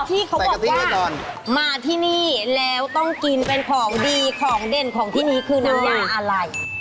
อ๋อใส่กะทิด้วยก่อนอ๋อแล้วที่เขาบอกว่ามาที่นี่แล้วต้องกินเป็นของดีของเด่นของที่นี่คือน้ำยาอะไร